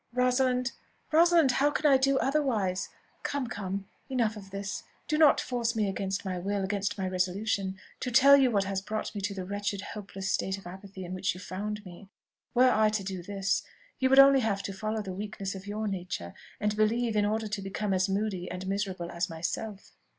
"Rosalind! Rosalind! how can I do otherwise? Come, come, enough of this: do not force me against my will, against my resolution, to tell you what has brought me to the wretched, hopeless state of apathy in which you found me. Were I to do this, you would only have to follow the weakness of your nature, and believe, in order to become as moody and as miserable as myself."